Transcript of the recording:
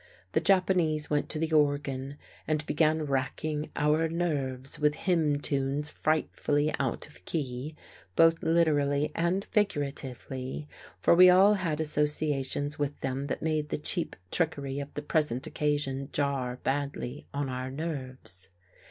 The Japanese went to the organ and began racking our nerves with hymn tunes frightfully out of key, both literally and figuratively, for we all had associations with them that made the cheap trickery of the present occasion jar badly on our nerves.